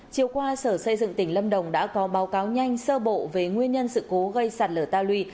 chiều qua sở xây dựng tỉnh lâm đồng đã có báo cáo nhanh sơ bộ về nguyên nhân sự cố gây sạt lở ta luy